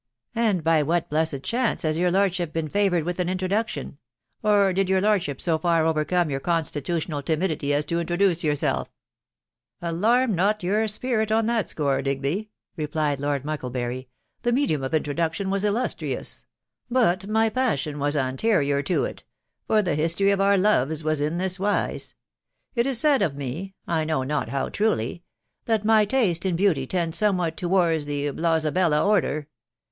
" And by what blessed chance has your lordship been fa voured with an introduction ?.... Or did your lordship bo far overcome your constitutional timidity, as to introduce yourself? "" Alarm not your.spirit on that score, Digby " reolied Lord THE WIDOW BARNABY. 3 IS Mucklebury. " The medium of introduction was illustrious, .... but my passion was anterior to it, .... for the history of our loves was in this wise. It is said of me .... I know not how truly .... that my taste in beauty tends somewhat to wards the Blowzabella order